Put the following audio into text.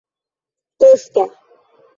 Kosta!